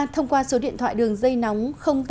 thông qua số điện thoại đường dây nóng